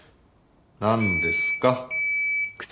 なんですか？